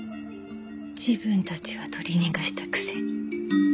自分たちは取り逃がしたくせに。